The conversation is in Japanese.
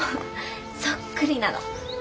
そっくりなの。